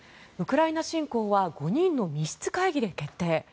ウクライナ侵攻は５人の密室会議で決定？